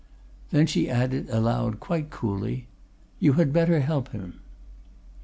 Then she added aloud quite coolly: 'You had better help him.